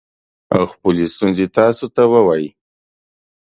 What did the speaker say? او خپلې ستونزې تاسو ته ووايي